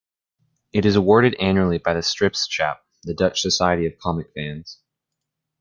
It is awarded annually by the "Stripschap", the Dutch Society of comics fans.